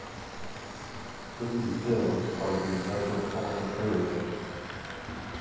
Liberty Hill is part of the metropolitan area.